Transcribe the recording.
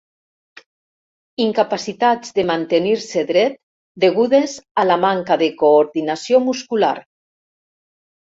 Incapacitats de mantenir-se dret, degudes a la manca de coordinació muscular.